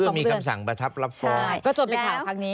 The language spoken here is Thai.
เพื่อมีคำสั่งประทับลับฟ้อง